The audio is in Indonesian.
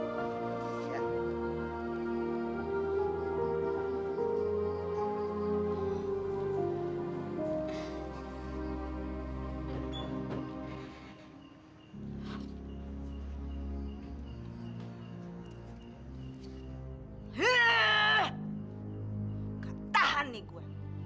gak tahan nih gue